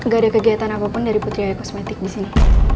gak ada kegiatan apa pun dari putri ayu kosmetik disini